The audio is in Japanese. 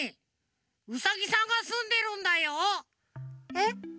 えっ？